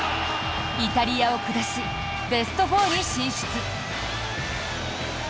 イタリアを下しベスト４に進出。